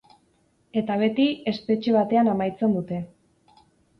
Eta beti, espetxe batean amaitzen dute.